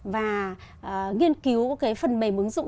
và nghiên cứu phần mềm ứng dụng